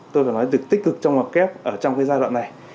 tôi phải nói tích cực trong mặt kép ở trong cái giai đoạn này